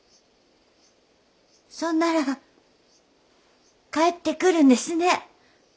そんなら帰ってくるんですね？